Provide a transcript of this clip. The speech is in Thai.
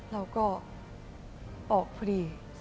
เราก็ออกพอดี